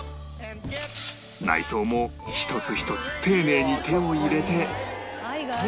内装も一つ一つ丁寧に手を入れて